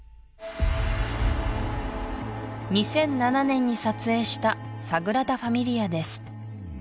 ２００７年に撮影したサグラダ・ファミリアです